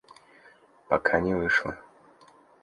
Пока не вышло.